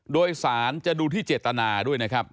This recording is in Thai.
โดยสารจะดูที่เจตนาด้วยนะครับ